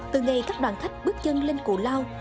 từ ngày các đoàn khách bước chân lên cù lao